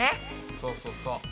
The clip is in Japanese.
そうそうそう。